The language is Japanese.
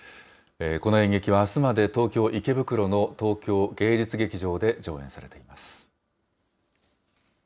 この演劇は、あすまで東京・池袋の東京芸術劇場で上演されています。